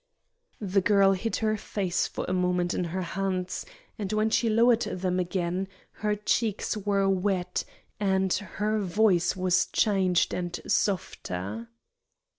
The girl hid her face for a moment in her hands, and when she lowered them again her cheeks were wet and her voice was changed and softer.